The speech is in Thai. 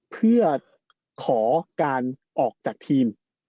เพื่อขอการออกจากทีม